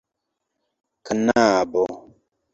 kanabo